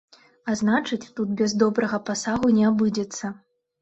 А значыцца, тут без добрага пасагу не абыдзецца.